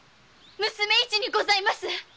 娘「いち」にございます！